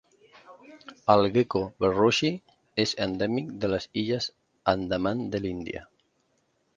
El Gekko verreauxi és endèmic de les Illes Andaman de l'Índia.